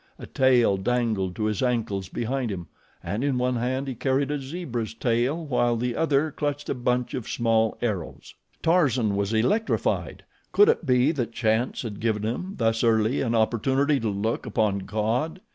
A tail dangled to his ankles behind him, and in one hand he carried a zebra's tail while the other clutched a bunch of small arrows. Tarzan was electrified. Could it be that chance had given him thus early an opportunity to look upon God?